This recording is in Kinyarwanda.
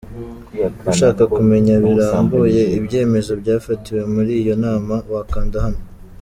Ushaka kumenya birambuye ibyemezo byafatiwe muri iyo nama, wakanda hano.